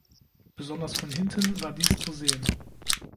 Besonders von hinten war dies zu sehen.